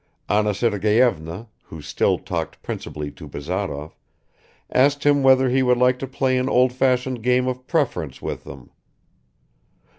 Anna Sergeyevna, who still talked principally to Bazarov, asked him whether he would like to play an old fashioned game of preference with them.